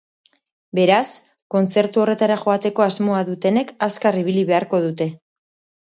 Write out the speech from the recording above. Beraz, kontzertu horretara joateko asmoa dutenek azkar ibili beharko dute.